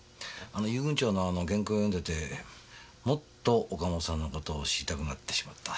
あの遊軍長のあの原稿を読んでてもっと岡本さんの事を知りたくなってしまった。